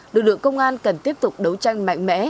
lực lượng công an cần tiếp tục đấu tranh mạnh mẽ